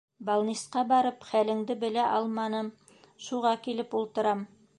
Балнисҡа барып хәлеңде белә алманым, шуға килеп ултырам.